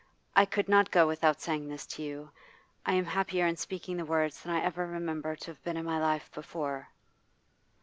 I could not go without saying this to you. I am happier in speaking the words than I ever remember to have been in my life before.